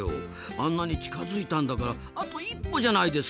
あんなに近づいたんだからあと一歩じゃないですか。